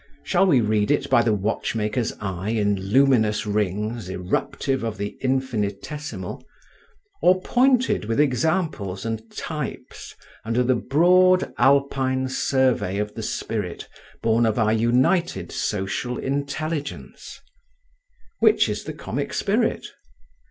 Shall we read it by the watchmaker's eye in luminous rings eruptive of the infinitesimal, or pointed with examples and types under the broad Alpine survey of the spirit born of our united social intelligence, which is the Comic Spirit?